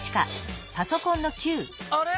あれ？